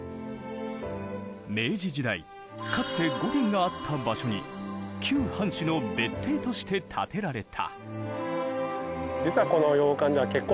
明治時代かつて御殿があった場所に旧藩主の別邸として建てられた。